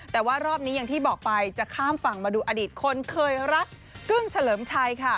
แต่ว่ารอบนี้อย่างที่บอกไปจะข้ามฝั่งมาดูอดีตคนเคยรักกึ้งเฉลิมชัยค่ะ